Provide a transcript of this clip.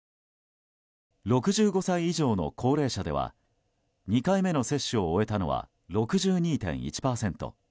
６５歳以上の高齢者では２回目の接種を終えたのは６２．１％。